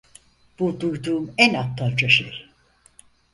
Bu duyduğum en aptalca şey.